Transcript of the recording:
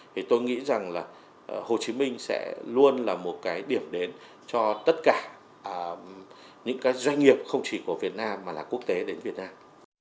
thì tôi nghĩ rằng là hồ chí minh sẽ luôn là một cái điểm đến cho tất cả những cái doanh nghiệp không chỉ của việt nam mà là quốc tế đến việt nam